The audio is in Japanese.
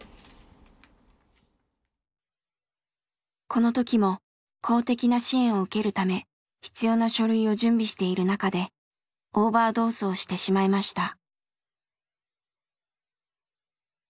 この時も公的な支援を受けるため必要な書類を準備している中でオーバードーズをしてしまいました。